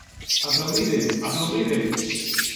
Aplaudide, aplaudide!